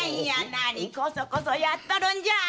何コソコソやっとるんじゃ！